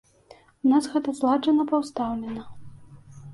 У нас гэта зладжана пастаўлена.